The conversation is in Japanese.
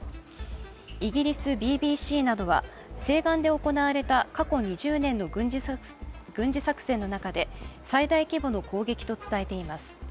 イギリスＢＢＣなどは西岸で行われた過去２０年の軍事作戦の中で最大規模の攻撃と伝えています。